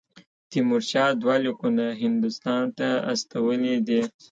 تیمورشاه دوه لیکونه هندوستان ته استولي دي.